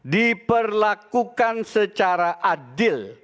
diperlakukan secara adil